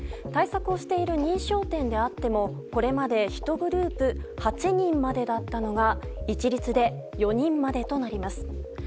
対策をしている認証店であってもこれまで１グループ８人までだったのが一律で４人までとなります。